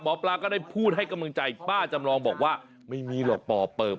หมอปลาก็ได้พูดให้กำลังใจป้าจำลองบอกว่าไม่มีหรอกป่อเปิบ